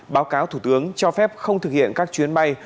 báo cáo thủ tướng cho phép không thực hiện các chuyến bay